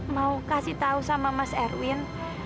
mau kasih tahu sama mas erwin